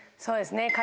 そうですね。